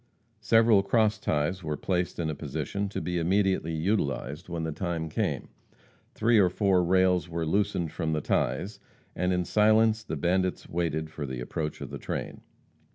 Several cross ties were placed in a position to be immediately utilized when the time came. Three or four rails were loosened from the ties, and in silence the bandits waited for the approach of the train.